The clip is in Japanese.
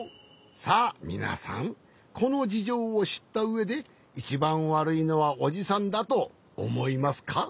さあみなさんこのじじょうをしったうえでいちばんわるいのはおじさんだとおもいますか？